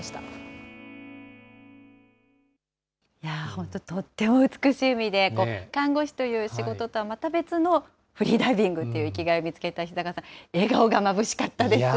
本当、とっても美しい海で、看護師という仕事とはまた別のフリーダイビングっていう生きがいを見つけた石坂さん、笑顔がまぶしかったですね。